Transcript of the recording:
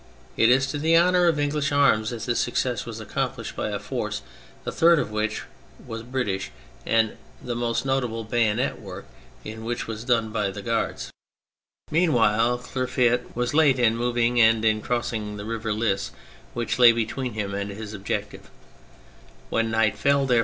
It is to the honour of English arms that this success was accomplished by a force a third of which was British and the most notable bayonet work in which was done by the Guards. Meanwhile, THE MILITARY ASPECT 207 Clerfayt was late in moving and in crossing the river Lys, which lay between him and his objective. When night fell, therefore^ on the first day ■MB ».'.'.?«#.